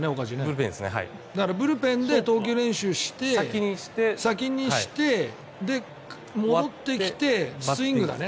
ブルペンで投球練習を先にして戻ってきてスイングだね。